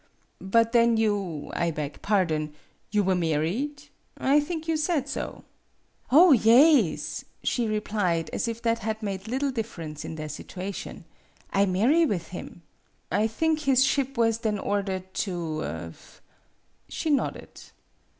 "But then you I beg pardon you were married ? I think you said so ?" "Oh, yaes," she replied, as if that had made little difference in their situation; "I marry with him." 58 MADAME BUTTERFLY " I think his ship was then ordered to " She nodded.